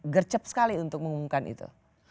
gercep sekali untuk mengumumkan itu